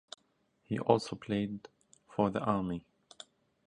He also played for the Army.